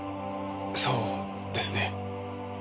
そうですね。